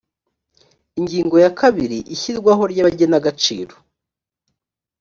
ingingo ya kabiri ishyirwaho ry’abagenagaciro